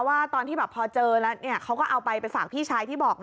ว่าตอนที่พอเจอแล้วเขาก็เอาไปไปฝากพี่ชายที่บอก